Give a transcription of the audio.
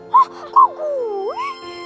hah kok gue